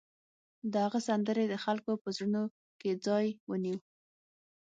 د هغه سندرې د خلکو په زړونو کې ځای ونیو